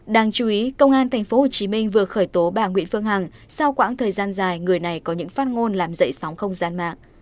đáng chú ý công an tp hcm vừa khởi tố bà nguyễn phương hằng sau quãng thời gian dài người này có những phát ngôn làm dậy sóng không gian mạng